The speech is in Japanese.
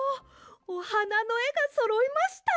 おはなのえがそろいました！